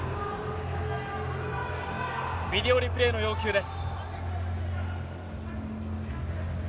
ビデオリプレーの要求です。